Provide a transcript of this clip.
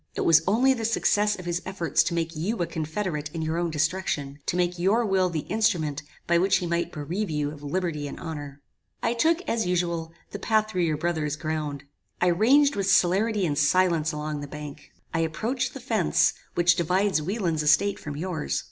It was only the success of his efforts to make you a confederate in your own destruction, to make your will the instrument by which he might bereave you of liberty and honor. "I took, as usual, the path through your brother's ground. I ranged with celerity and silence along the bank. I approached the fence, which divides Wieland's estate from yours.